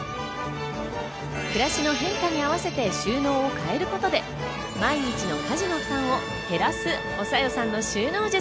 暮らしの変化に合わせて収納を変えることで毎日の家事の負担を減らす、おさよさんの収納術。